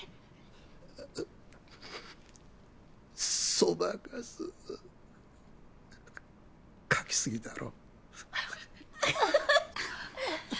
そばかす描きすぎだろ。